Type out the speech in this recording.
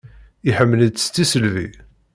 Iḥemmel-itt s tisselbi.